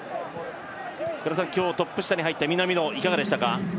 今日、トップ下に入った南野いかがでしたか。